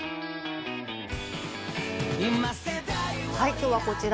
きょうはこちら。